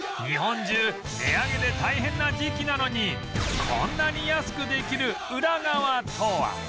日本中値上げで大変な時期なのにこんなに安くできるウラ側とは？